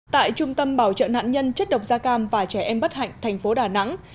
tại trung tâm bảo trợ nạn nhân chất độc da cam và trẻ em bất hạnh thành phố đà nẵng